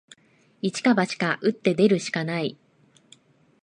一か八か、打って出るしかない